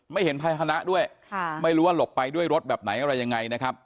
ไม่เห็นภายหนะด้วยไม่รู้ว่าหลบไปด้วยรถแบบไหนอะไรยังไงนะครับ